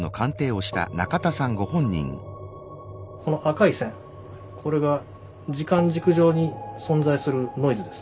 この赤い線これが時間軸上に存在するノイズですね。